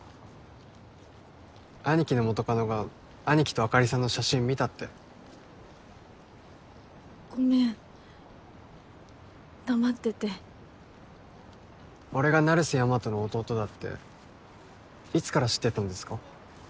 兄貴の元カノが兄貴とあかりさんの写真見たってごめん黙ってて俺が成瀬大和の弟だっていつから知ってたんですか？